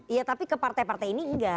iya tapi ke partai partai ini enggak